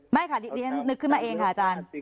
ไม่ค่ะดิฉันนึกขึ้นมาเองค่ะอาจารย์